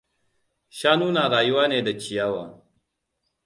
Shanu na rayuwa ne da ciyawa.